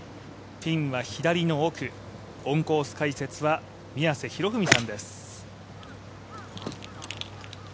ピンは左の奥、オンコース解説は宮瀬博文さんです。